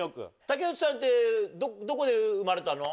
竹内さんてどこで生まれたの？